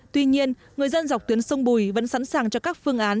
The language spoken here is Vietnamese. tuy nhiên người dân dọc tuyến sông bùi vẫn sẵn sàng cho các phương án